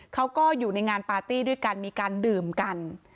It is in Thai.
เขาก็อยู่ในงานปาร์ตี้ด้วยกันมีการดื่มกัน